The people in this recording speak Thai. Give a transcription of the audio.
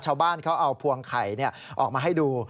ชาวบ้านเขาเอาพวงไข่ออกมาให้ดู